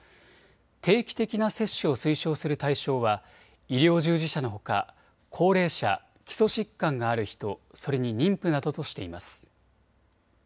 定期的な接種を推奨する対象は医療従事者のほか高齢者、基礎疾患がある人、それに妊婦などとしています。